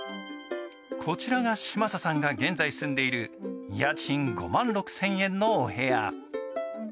こちらが嶋佐さんが現在住んでいる家賃５万６０００円のお部屋